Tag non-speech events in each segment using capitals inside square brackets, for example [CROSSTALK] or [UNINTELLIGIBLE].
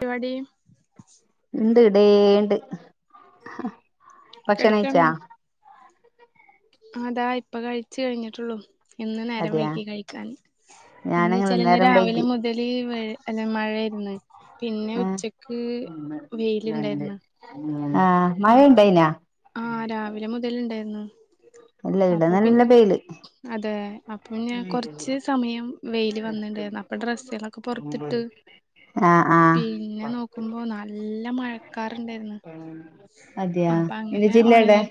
പരിവാടി ഇണ്ട് ടേണ്ട് കെടക്കാണ് ഭക്ഷണഴിച്ചാ? ആഹ് താ ഇപ്പ കഴിച്ച് കഴിഞ്ഞിട്ടൊള്ളൂ. ഇന്ന് നേരം അതെയാ വഴ്ക്കി കഴിക്കാൻ എന്താ ഞാനങ്ങനെ ച്ചാല് ഇന്ന് നേരം രാവിലെ വൈകി മു [UNINTELLIGIBLE] അല്ല മഴായിരുന്നു പിന്നെ ആഹ് ഉച്ചക്ക് ഒന്ന് രണ്ട് വെയില്ണ്ടായിരുന്നു. ആഹ് മഴ ആഹ് പ്പ ഇണ്ടായിനാ ആഹ് രാവിലെ മുതല്ണ്ടായിരുന്നു. ഇല്ല ഇവിടെ അപ്പൊ നല്ല പിന്നെ വെയില് അതെ അ പിന്നെ കൊർച്ച് ഉം സമയം വെയില് എട്ട് വെന്ന്ണ്ടായിരുന്നു അപ്പ ഡ്രസ്സുകളൊക്കെ പൊർത്തിട്ട്. ഒമ്പത് ആഹ് ആഹ് പിന്നെ പത്ത് നോക്കുമ്പോ നല്ല മഴക്കാറ്ണ്ടായിര്ന്ന്. പതിനൊന്ന് അതെയാ അപ്പ നിന്റെ അങ്ങനെ ജില്ല എവിടെ ഒണങ്ങി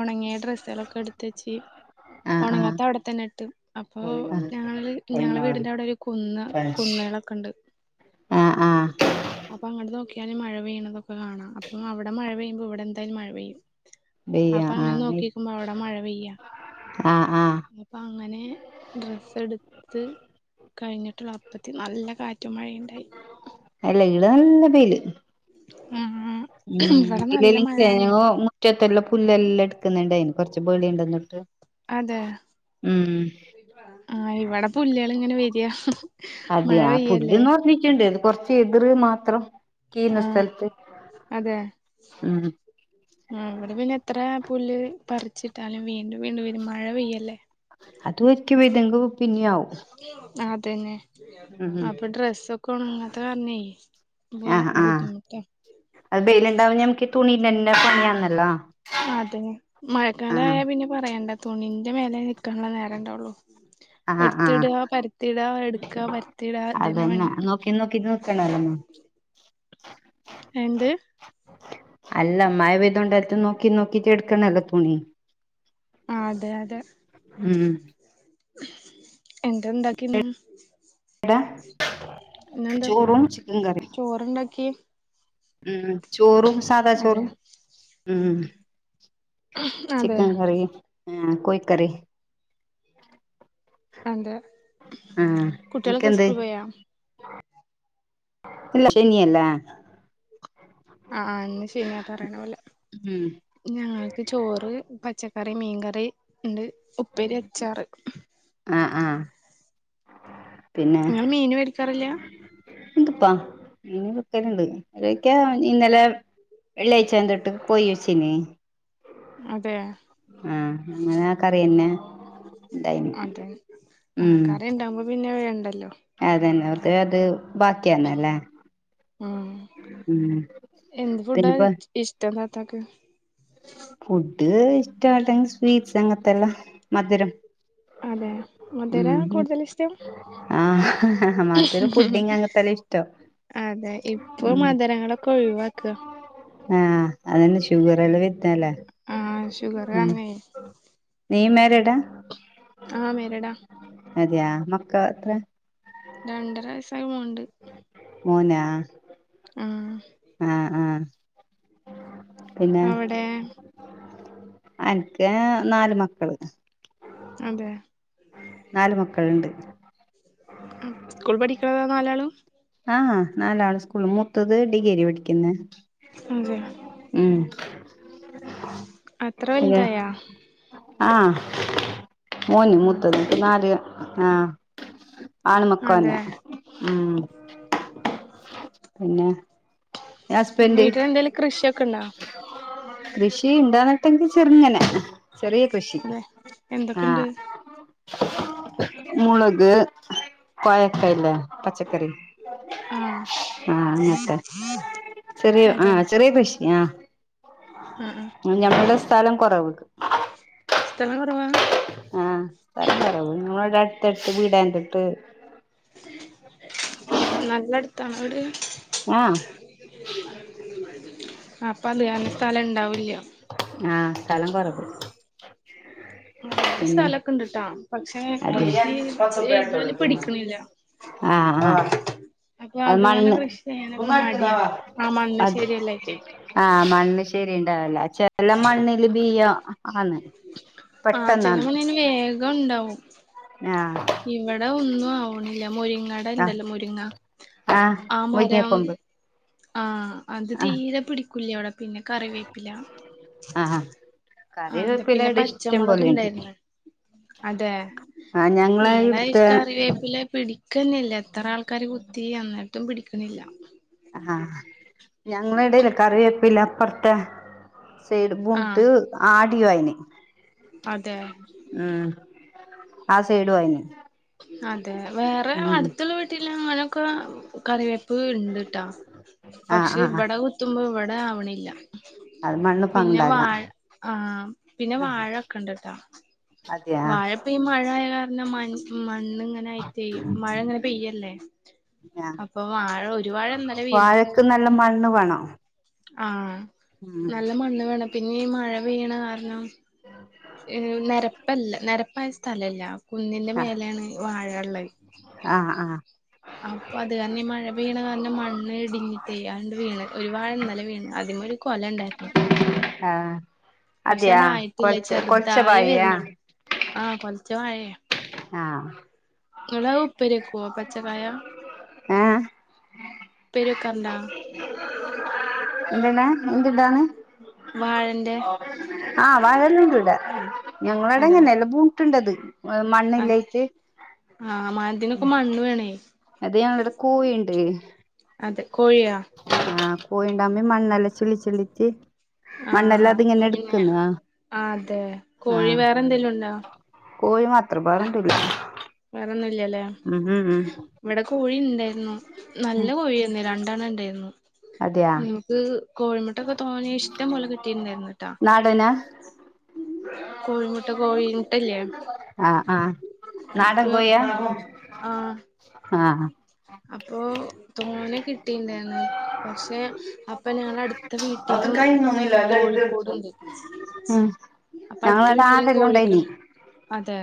ഒണങ്ങിയ ഡ്രസ്സുകളൊക്കെ എട്ത്തച്ച്. ആഹ് ആഹ് അഒടെ തന്നെ ട്ട് അപ്പോ പതിനൊന്ന് ഞങ്ങള്ൾ ഞങ്ങളേ പതിനാല് വീട്ന്റെ അഒടെ ഒരു കുന്ന പതിനഞ്ച് കുന്നകളൊക്കെ ണ്ട്. ആഹ് ആഹ് അപ്പ അങ്ങട്ട് നോക്കിയാലും മഴ പെയ്യ്ണതൊക്കെ കാണാം അപ്പം അവടെ മഴ പെയ്യുമ്പോ ഇവടെ എന്തായാലും മഴ പെയ്യും. വെയ്യ അപ്പ അങ്ങനെ ആഹ് നോക്കിക്കുമ്പോ അഒടെ മഴ പെയ്യ. ആഹ് ആഹ് പ്പ അങ്ങനെ ഡ്രസ്സ് എട്ത്ത് കഴിഞ്ഞിട്ടുള്ള അപ്പത്തി നല്ല കാറ്റും മഴയിണ്ടായി. എല്ല ഇള് നല്ല പീല് [UNINTELLIGIBLE] ഉം ഇവിടെ നല്ല മഴയാണേ ഇല്ലെികേവോ ഇറ്റത്തെല്ല പുല്ലെല്ലാം എടുക്കുന്നുണ്ടായിന് കുറച്ച് ബേളി ഉണ്ടന്നിട്ട് അതെ ഉം ആ ഇവിടെ പുള്ളികള് ഇങ്ങനെ വരിയാ മഴ പെയ്യ പുല്ല് പറഞ്ഞിട്ടുണ്ട് ഇത് കൊറച്ച് എതിർ മാത്രം കീന്ന ആഹ് സ്ഥലത്ത് അതെ ഉം ആ ഇവടെ പിന്നെ എത്ര പുല്ല് പറിച്ചിട്ടാലും വീണ്ടും വീണ്ടും വരും മഴ പെയ്യല്ലേ. അത് വതെങ്ക പിന്നെയ ആവും അതന്നെ ഉം അപ്പൊ ഡ്രെസ്സ ഒക്കെ ഉണങ്ങാത്ത കാരണേ ആഹ് ആഹ് ബുദ്ധിമുട്ടാ അത് ബെയിലുണ്ടാവ നമുക്ക് തുണിന്റെ പണിയാന്നല്ലോ അതെ മഴക്കാല ആഹ് ആയാ പിന്നെ പറയണ്ട തുണിന്റെ മേലെ നിൽക്കാനുള്ള നേരം ഉണ്ടള്ളു ആഹ് ആഹ് എടുത്തിട പരത്തിട എടുക്ക പരത്തിട ഇതന്നെ പണി നക്കി നോക്കി നോക്കണല്ലോമ്മ രണ്ട് അല്ല മഴപെയതംണ്ടാലട്ടും നോക്കി നോക്കിട്ട് എടുക്കണല്ലോ തുണി ആ അതെ അതെ ഉം എന്താ ഇണ്ടാക്കിന്ന് ട ചോറും ചിക്കൻ കറിം പോറണ്ടാക്കി ഉം ചോറും സാധാ അതെ ചോറും ഉം അതെ ചിക്കൻ കറി ആ കോയ് കറി അതെ ആ കുട്ടികളൊക്കെ എനക്ക്ന്താ സ്കൂൾ പോയാ ഇല്ല ശങ്ങിയല്ല ആ എന്ന ശരി ഞാ പറയണ പോലെ ഉം ഞങ്ങൾക്ക് ചോറ് പച്ചക്ക കറി മീൻകറി ഉണ്ട് ഉപ്പേരി അച്ചാറ് ആ ആ നിങ്ങ മീൻ മേടിക്കാറില്ല എപ്പാ ഇനി വക്കലണ്ട് ഓ ക്കാ ഇന്നലെ വെള്ളിയഴ്ച തന്തിട്ട് കൊയി വെച്ചിന അതെ ആ അങ്ങനെ കറിതന്നെ അതെ ആ കറിണ്ടാവുമ്പോ പിന്നെ വേണ്ടല്ലോ അതന്നെ ഒക്ക് അത് ബാക്കിയന്നല്ലേ ഉം ഉം പിന്നെപ്പോ ഇഷ്ടദാത്തക്ക് ഫുഡ് ഇഷ്ടമായില്ലെൽ സ്വീറ്റ്സ് അങ്ങനത്തെല്ലാ മധുരം അതെ മധുര ഉം കൂടുതൽ ഇഷ്ടം ആഹ് മതൊരു ഫുഡിങ് അങ്ങനത്തെല്ലാം ഇഷ്ടം അതെ ഇപ്പൊ മധരങ്ങളൊക്കെ ഒഴിവാക ആ അതന്നെ ഷുഗർള്ള വിത്തല്ലേ ആ ഷുഗർ അന്ന നീ മരിഡാ ആ മേരടാ അതെയാ മക്ക അത്ര രണ്ടര വയസ് മോനാ ആഹ് ആഹ് ആഹ് പിന്നെ അവിടെ എനിക്ക് നാല് മക്കള് അതെ നാല് മക്കളുണ്ട് സ്കൂൾ പഠിക്കണത നാലാള ആഹ നാലാണ് സ്കൂള് മൂത്തത് ഡിഗ്രരി പഠിക്കുന്ന അത ഇതെ ആഹ മോന് അത് മുൂത്തത് ശരി നാല് ആ ആണുമക്ക തന്നെ അതെ ഉം പിന്നെ പിന്നെ ഹസ്ബൻഡ് വീട്ടിലെന്തേലും കൃഷിയൊക്കെ ഉണ്ടോ കൃഷി ഉണ്ടന്നിട്ടെങ്കിൽ ചെറിങ്ങനെ ചെറിയ കൃഷി അതെ ആഹ എന്തൊക്കെണ്ട് മുളക് കോയക്കായല്ല പച്ചക്കറി ആഹ് ആഹ അങ്ങത്തെെ ചെറിയ അതെ ആഹ ചെറിയ കൃഷിയ ആ ആഹ ഞങ്ങളുടെ സ്ഥലം കുറവ് സ്ഥലം കുറവാ ആഹ് സ്ഥലം പറ ഞങ്ങളടെ അടുത്ത്ടുത്ത് വീടതിട്ട് നല്ലടത്താ അവിടെ ആഹ അപ്പൊ അത് കന്ന സ്ഥലം ഇണ്ടാവൂല്ല ആഹ് സ്ഥലം കുറവ് ആ ഇവിടെ പിന്നെ സ്ഥലൊക്കെ ഇണ്ട്ട്ടാ പക്ഷെ അത് കൃഷി ചെയ്താല് പിടിക്കണില്ല ആ ആ അപ്പൊ അതുകന്നെ കൃഷി ചെയ്യാനൊക്കെ മടിയാ ആ അത് മണ്ണശ്ശേരിയല്ലട്ടേ ആഹ് മണ്ണ് ശരിയ ഉണ്ടാവില ചില മണ്ണില് ബിയം ആന്ന് ആഹ ചില മണ്ണിന് വേഗം ഉണ്ടാവും ആഹ് ഇവിടെ ഒന്നും ആവണില്ല മുരിങ്ങട ആഹ് ഇണ്ടല്ലോ മുരിങ്ങ ആഹ് മുരിങ്ങ കൊമ്പ് ആഹ അത് തീരെ പിടിക്കൂല ഇവിടെ പിന്നെ കറിവേപ്പില ആഹ് ആഹ അതാ കറിവേപ്പില പിന്നെ ഇവിടെ ഇഷ്ടം പച്ചമുളക് പോലെയുണ്ട് ഇണ്ടായിരുന്ന അതെ? ആഹ് ഞങ്ങളെ ഇവടെ ഇടുത്തെ ഇഷ് കറിവേപ്പിലേ പി ക്കുന്നല്ല എത്ര ആൾക്കാര് കുത്തി അന്നിട്ടും പിടിക്ക്ണില്ല. ആഹ് ഞങ്ങളെടെല്ല കറിവേപില അപ്പർത്തെ ആഹ് സൈഡിക്കൂണിട്ട് ആടി ഒയഞ്ഞ്. അതെ? ഉം, ആ സൈഡ് ഒയഞ്ഞ്. അതെ വേറെ അടുത്തുള്ള വീട്ടിലങ്ങനൊക്കെ കറി വീഴ്ണ്ട്ട്ടാ. ആഹ് പക്ഷെ ആഹ് ഇവട കുത്തുമ്പോ ഇവിടെ ആവ്ണില്ല. അത് മണ്ണ് പിന്നെ പണ്ടാല വാഴ ആഹ് പിന്നെ വാഴൊക്കെണ്ടല്ലോ? അതെയാ വാഴപ്പീ മഴ ആയ കാരണം മൺ മണ്ണിങ്ങനായിട്ടെ മഴ ഇങ്ങനെ പെയ്യല്ലേ അപ്പൊ വാഴ ഒരു വാഴ ആഹ് ഇന്നലെ വീണ് വാഴക്ക് നല്ല മണ്ണ് വേണം. ആഹ് ഉം നല്ല മണ്ണ് വേണം പിന്നേ ഈ മഴ പെയ്യണ കാരണം, ഏഹ് നെരപ്പല്ല നെരപ്പായ സ്ഥലല്ല. കുന്നിന്റെ മേലേണ് വാഴള്ളത്. ആ ആഹ്. അപ്പൊ അത് കാരണം ഈ മഴ പെയ്യണ കാരണം മണ്ണ് ഇടിഞ്ഞിട്ടെയ് അത്ണ്ട് വീണ്. ഒരുവാഴ ഇന്നലെ വീണ്. ആദ്യം കൊലണ്ടായിര്ന്നു. ഹാ അതെയാ അതായിട്ടില്ല കൊർച്ച കൊറച്ച ചെറുതായി പായയാ? വരുന്നുള്ളൂ ആഹ് കൊലച്ച ആഹ് ഇങ്ങളത് ഉപ്പേരി വെക്കോ പച്ചക്കായ ഏഹ് ഉപ്പേരി വെക്കാർണ്ടാ എന്ത് ടാ എന്ത്ണ്ടോന്ന് വാഴന്റെ ആഹ് വാഴല്ലാ ണ്ട്വ്ടെ. അതെ ഞങ്ങളേടൊങ്ങനെല്ല ബൂട്ട്ണ്ടത്. ഏഹ് അത് മണ്ണില്ലായിട്ട് ആഹ് മ അതിനൊക്കെ ഉം മണ്ണ് വേണേ അത് ഞങ്ങളവ്ടെ കോയിണ്ട്. അതെ കോഴിയാ ആഹ് കോയിണ്ടാമി മണ്ണല്ലാം ചിള്ളി ചിള്ളിച്ച് ആഹ് അപ്പൊ പിന്നേ ആതെ കോഴി വേറെന്തെലുംണ്ടോ കോയി മാത്ര ബേറെന്തൂല്ല. വേറെന്നുംല്ലാല്ലേ ഉം ഇവിടെ കോഴി ഇണ്ടായിരുന്നു നല്ല കോഴിയേന്നു ര ണ്ടണ്ണം ഇണ്ടായിരുന്നു. അതെയാ ഇൻക്ക് കോഴിമുട്ടൊക്കെ തോനെ ഇഷ്ടം പോലെ കിട്ടിണ്ടായാരുന്നൂട്ടാ. നാടനാ കോഴിമുട്ട കോഴീ മുട്ടല്ലേ ആഹ് ആഹ് നാടൻ കോഴിയാ ആഹ് ആഹ് അപ്പൊ തോനെ കിട്ടീണ്ടായിരുന്നു. പക്ഷെ അ പ്പ ഞാന അടുത്ത ഉം വീട്ടിലും കോഴിക്കൂടുണ്ട്. അപ്പൊ അടുത്ത ഞങ്ങളടെ വീട്ടിലെ ആടെല്ലാം ഉണ്ടായിനി കോഴികള് അതെ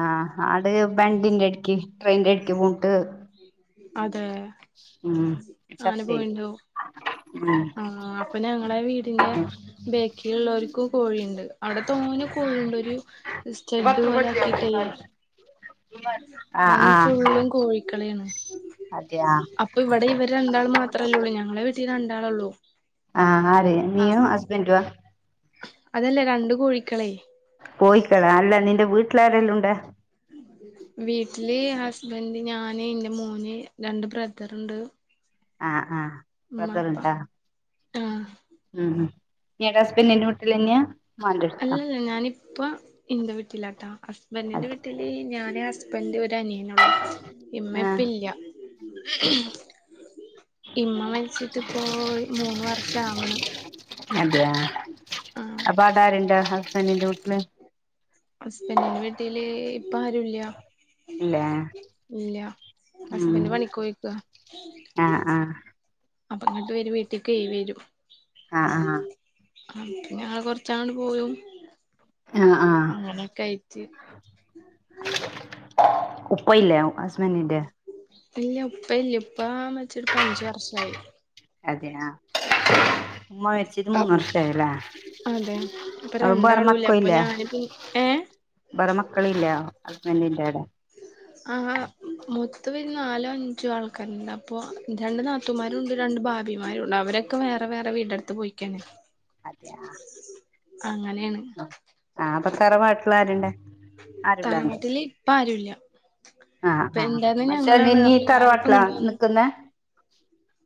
ആഹ് അട് ബണ്ടിന്റെ ഇട്ക്ക് ട്രെയിനിന്റെ ഇട്ക്ക് ബൂണിട്ട് അതെ അങ്ങനെ ചത്തേ പോയിണ്ടാവും. ആഹ് അപ്പൊ ഞങ്ങളെ വീടിന്റെ ബേക്കി ള്ളോര്ക്കും കോഴിണ്ട്. അവടെ തോനെ കോഴിണ്ട്. ഒരു സ്റ്റെഡ് പത്ത് പോലെ റുപ്യ ആക്കിട്ടേയ് കൊടുത്തിയാ ആ അയ്ന് ആ സുള്ളും കോഴിക്കളേണ് അതെയ പ്പൊ ഇവടെ ഇവര് രണ്ടാളും മാത്രല്ലോള്ളൂ ഞങ്ങളെ വീട്ടി രണ്ടാളൊള്ളൂ. ആഹ് ആര് ആ നീയും ഹസ്ബന്റൊ അതല്ല രണ്ട് കോഴിക്കളെ. കോയിക്കളാ അല്ല നിന്റെ വീട്ടിലാരല്ലോണ്ട് വീട്ടില് ഹസ്ബന്റ് ഞാന് ഇന്റെ മോന് രണ്ട് ബ്രദറ്ണ്ട്. ആഹ് ആഹ്ബ്രദറ്ണ്ടൊ ആഹ് ഉം ഉം നീടെ ഹസ്ബൻഡ് നിന്റെ വീട്ടിലന്നെയാ മാന്റെ അല്ലല്ല ഞാനിപ്പ ഇന്റെ വീട്ടിലാട്ടാ ഹസ്ബൻന്റിന്റെ അതെ വീട്ടില് ഞാന് ഹസ് ബൻഡ് ഒരു അനിയനെള്ളു ആ ഇമ്മപ്പല്ല ഇമ്മ മരിച്ചിട്ടിപ്പോ ഒര് മൂന്ന് വർഷം ആവ്ണ് അതെ അപ്പ ടാര് ണ്ട് ഹസ്ബന്റിന്റെ വീട്ടില് ഹസ്ബൻന്റിന്റെ വീട്ടില് ഇപ്പ ആരുല്ല ഇല്ലേ ഇല്ല ഹസ്ബൻന്റ് പണിക്കോ യേക്ക ആഹ് ആഹ് അപ്പൊ ഇങ്ങട്ട് വരും വീട്ടിലക്കേയ് വരും ആ ആ അപ്പ ഞങ്ങള് കൊറച്ച പോവും ആ ആ അങ്ങനൊക്കെ ആയിറ്റ് ഉപ്പയില്ലേ ഹസ്ബന്റിന്റെ ഇല്ല ഉപ്പ ഇല്ല ഇപ്പ മരിച് ട്ട് പ്പ അഞ്ച് വർഷായി അതെയാ ഉമ്മ മരിപ്പിട്ട് മൂന്ന് വർഷ ആയല്ല അതെ ഇപ്പ രണ്ടാളൂല്ല അപ്പൊ ഞാന് പിന്നെ ഏഹ് ബേറെ മക്കളില്ലാ ഹസ്ബന്റിന്റെടെ ആ മൊത്തത്തി നാലോ അഞ്ചോ ആൾക്കാരുണ്ട് അപ്പൊ രണ്ട് നാ ത്തുമാരുണ്ട് രണ്ട് ഭാവിമാരുണ്ട് അവരൊക്കെ വേറെ വേറെ വീട് ടുത്ത് പോയിക്കാണ് അതെയാ അങ്ങനെണ് ആഹ് അപ്പൊ തറവാട്ടിലാരുണ്ട് താരവാാട്ടില് ഇപ്പ ആരുല്ല ആഹ് ഇപ്പൊ ആഹ് എന്തായിുന്ന മച്ചാൻ ഞങ്ങളാണ് നീ അപ്പൊ ഞാനിപ്പ തറവാട്ടിലാ കണ്ടുവന്നു നിക്കുന്നെ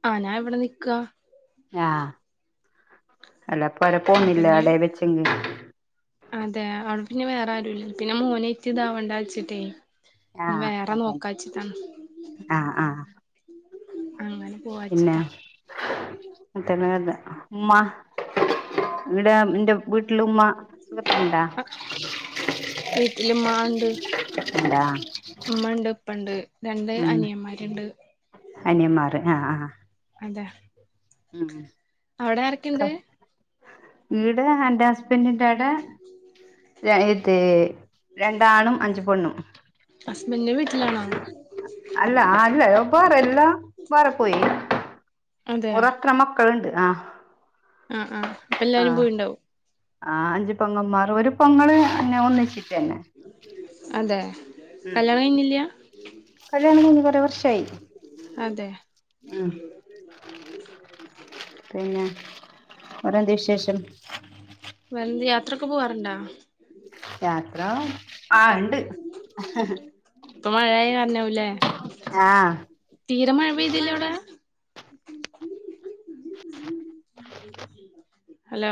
ആ് ഞാ ഇവിടെ നിക്കുക ആഹ് അല്ലപ്പരെ അപ്പൊ പോന്നില്ല ഇനി അവിട വെച്ചെങ്കിൽ അതെ അവവിടെ പിന്നെ വേറെ ആരുുംല്ല പിന്നെ മോനെത്തി ഇതാവണ്ട വച്ചിട്ടേ നീ വേറെ നോക്കാച്ചിട്ടാണ് ആഹ ആഹ് അങ്ങനെ പിന്നെ പോവാച്ചിട്ടാ അത്തന ഉ്മ്മ ഇവിടെ എന്റെ വീട്ടില ഉമ്മ സുഖത്തിുണ്ടാ മ്മ ഉണ്ട് ഉമ്മ ഉണ്ട് ഇപ്പ ഉണ്ട് രണ്ട് അനിയമാരുണ്ട് അനിയന്മാർ ആഹ് ആ അതെ ഉം അവിടെ ആരൊക്കെുണ്ട് വഈട് എന്റെ അപ്പന്റെ അട ഇത് രണ്ടാണും അഞ്ചു പൊണ്ണും ഹസ്ബൻഡിന്റെ വീട്ടിലാണോ അല്ല അല്ല വേറെ എല്ലാ വേറെ പോയി അതെ ഒത്ര മക്കളുണ്ട് ആ ആ ആ അപ്പൊ ആ എല്ലാവാരും പോയി ഉണ്ടാവും ആ അഞ്ചു പൊങ്ങന്മാർ ഒരു പൊങ്ങൾ എന്നന്നെ ഒന്നിച്ചിട്ടന്നെ അതെ കല്യാണം കഴിഞ്ഞില്ല കഴയാണ കുറെ വർഷമായി അതെ ആ പിന്നെ ഓരന്ത്യ വിശേഷം വേരന്ത് യാത്രൊക്കെ പോവാറണ്ടാ യാത്ര ആ ഉണ്ട് മാ ഴ കണ്െ ല്ലെ ആഹ തീരമഴ പെയ്തില്ലേ അവിടെ ഹലോ